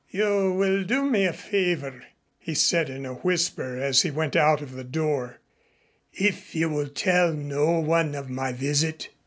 "You will do me a favor," he said in a whisper as he went out of the door, "if you will tell no one of my visit."